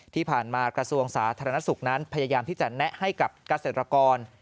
ที่ผ่านมากระทรวงสาธารณสุขนั้นพยายามที่จะแนะให้กับกาเสร็จรากร